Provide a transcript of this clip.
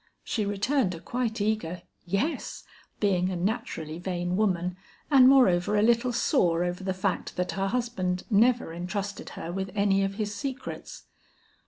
She returned a quite eager, 'yes,' being a naturally vain woman and moreover a little sore over the fact that her husband never entrusted her with any of his secrets.